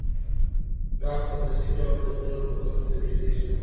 غږ په تدریجي ډول د ده غوږونو ته نږدې شو.